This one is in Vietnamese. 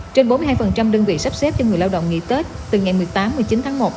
trên bốn mươi hai đơn vị sắp xếp cho người lao động nghỉ tết từ ngày một mươi tám một mươi chín tháng một